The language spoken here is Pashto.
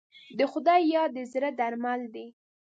د خدای یاد د زړه درمل دی.